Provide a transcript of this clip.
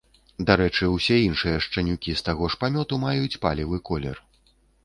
Дарэчы, усе іншыя шчанюкі з таго ж памёту маюць палевы колер.